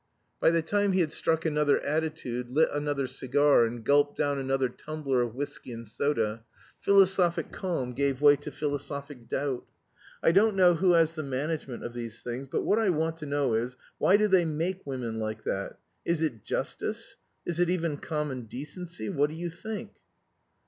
By the time he had struck another attitude, lit another cigar, and gulped down another tumbler of whiskey and soda, philosophic calm gave way to philosophic doubt. "I don't know who has the management of these things, but what I want to know is why do they make women like that? Is it justice? Is it even common decency? What do you think?"